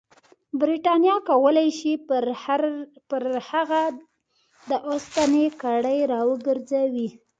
برټانیه کولای شي پر هغه د اوسپنې کړۍ راوګرځوي.